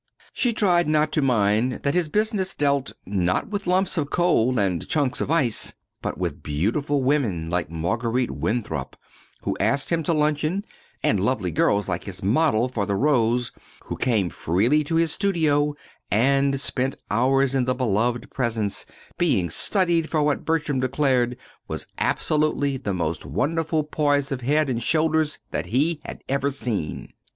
She tried not to mind that his business dealt, not with lumps of coal and chunks of ice, but with beautiful women like Marguerite Winthrop who asked him to luncheon, and lovely girls like his model for "The Rose" who came freely to his studio and spent hours in the beloved presence, being studied for what Bertram declared was absolutely the most wonderful poise of head and shoulders that he had ever seen.